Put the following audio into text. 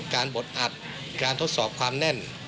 บดอัดการทดสอบความแน่น